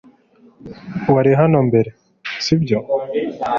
Wari hano mbere, si byo?